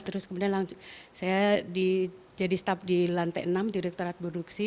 terus kemudian langsung saya jadi staf di lantai enam direkturat produksi